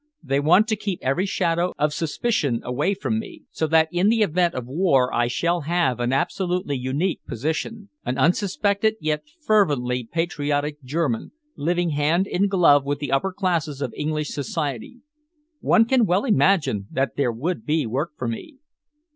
They want to keep every shadow of suspicion away from me, so that in the event of war I shall have an absolutely unique position, an unsuspected yet fervently patriotic German, living hand in glove with the upper classes of English Society. One can well imagine that there would be work for me."